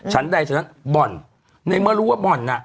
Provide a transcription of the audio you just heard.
ฉันสมัยบอลในเมื่อรู้ว่าบอล